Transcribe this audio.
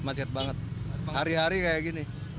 macet banget hari hari kayak gini